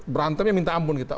berantemnya minta ampun kita